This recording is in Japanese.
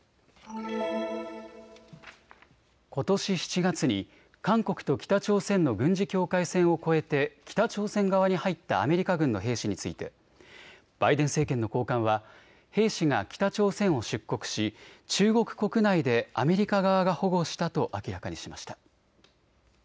ことし７月に韓国と北朝鮮の軍事境界線を越えて北朝鮮側に入ったアメリカ軍の兵士についてバイデン政権の高官は兵士が北朝鮮を出国し中国国内でアメリカ側が保護したと明らかにしました。